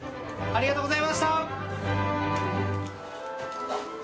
ありがとうございます！